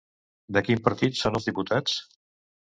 De quin partit són els diputats?